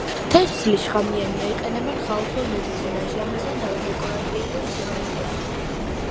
თესლი შხამიანია, იყენებენ ხალხურ მედიცინაში, ამასთანავე დეკორატიული მცენარეა.